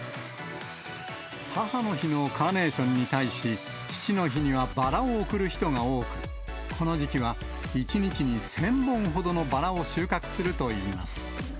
母の日のカーネーションに対し、父の日にはバラを贈る人が多く、この時期は１日に１０００本ほどのバラを収穫するといいます。